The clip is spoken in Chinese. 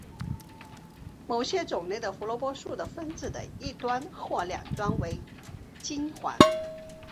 某些种类的胡萝卜素的分子的一端或两端为烃环。